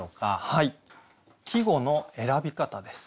はい「季語の選び方」です。